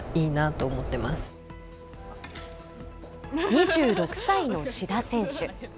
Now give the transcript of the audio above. ２６歳の志田選手。